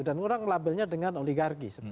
dan orang labelnya dengan oligarki